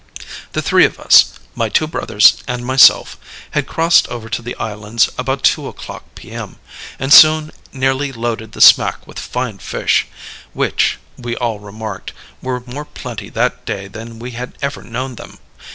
"The three of us my two brothers and myself had crossed over to the islands about two o'clock P.M., and soon nearly loaded the smack with fine fish; which, we all remarked, were more plenty that day than we had ever known them.